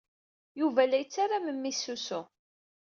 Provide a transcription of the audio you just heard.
Yuba la yettarra memmi-s s usu.